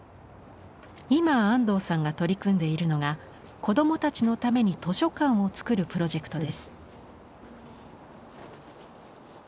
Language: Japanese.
今安藤さんが取り組んでいるのが子どもたちのために図書館をつくるプロジェクトです。